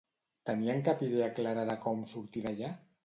Tenien cap idea clara de com sortir d'allà?